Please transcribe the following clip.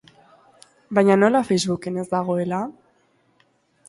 Baina nola, Facebooken ez dagoela?